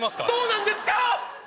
どうなんですか！